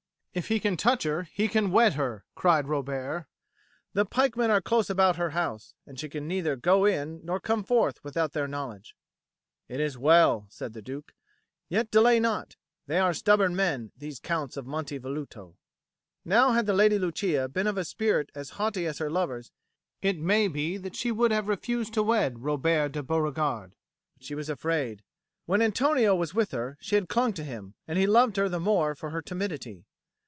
"If he can touch her, he may wed her," cried Robert. "The pikemen are close about her house, and she can neither go in nor come forth without their knowledge." "It is well," said the Duke. "Yet delay not. They are stubborn men, these Counts of Monte Velluto." Now had the Lady Lucia been of a spirit as haughty as her lover's, it may be that she would have refused to wed Robert de Beauregard. But she was afraid. When Antonio was with her, she had clung to him, and he loved her the more for her timidity.